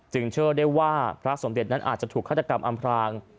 จึงเชิญได้ว่าพระสมเด็จนั้นอาจจะถูกข้าดกรรมอำพลาง